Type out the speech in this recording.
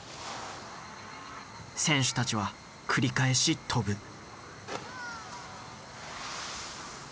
選手たちは繰り返し飛ぶ。